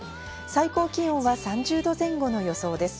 最高気温は３０度前後の予想です。